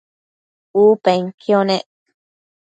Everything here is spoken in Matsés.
U penquio nec